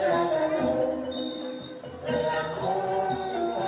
การทีลงเพลงสะดวกเพื่อความชุมภูมิของชาวไทย